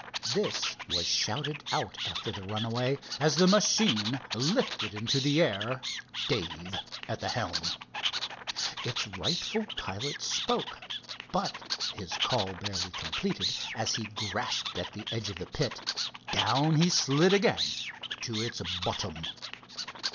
This was shouted out after the runaway as the machine lifted into the air, Dave at the helm. Its rightful pilot spoke, but, his call barely completed as he grasped at the edge of the pit, down he slid again to its bottom.